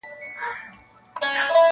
• نه یې ږغ سوای تر شپانه ور رسولای -